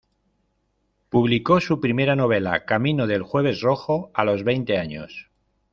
Publicó su primera novela, "Camino del jueves rojo", a los veinte años.